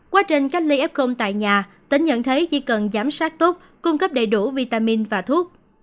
quá trình cách ly f tại nhà tỉnh nhận thấy chỉ cần giám sát tốt cung cấp đầy đủ vitamin và thuốc